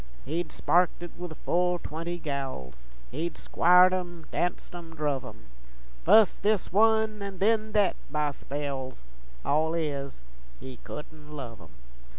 He'd sparked it with full twenty gals, Hed squired 'em, danced 'em, druv 'em, Fust this one, an' then thet, by spells All is, he couldn't love 'em.